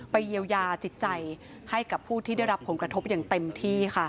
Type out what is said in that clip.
เยียวยาจิตใจให้กับผู้ที่ได้รับผลกระทบอย่างเต็มที่ค่ะ